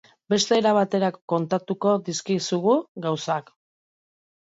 Beste era batera kontatuko dizkizugu gauzak.